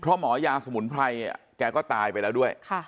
เพราะหมอยาสมุนไพรแกก็ตายไปแล้วด้วย